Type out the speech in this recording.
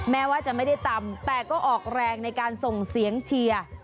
แม้ว่าจะไม่ได้ตำแต่ก็ออกแรงในการส่งเสียงเชียร์